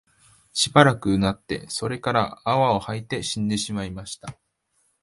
しばらく吠って、それから泡を吐いて死んでしまいました